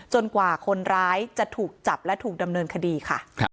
กว่าคนร้ายจะถูกจับและถูกดำเนินคดีค่ะ